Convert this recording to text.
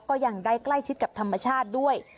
ก็ยังได้ใกล้ชิดกับธรรมชาติด้วย